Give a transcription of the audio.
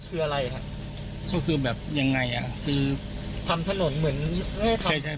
คืออะไรฮะก็คือแบบยังไงอ่ะคือทำถนนเหมือน